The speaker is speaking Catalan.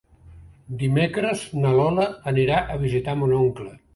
Dimecres na Lola anirà a visitar mon oncle.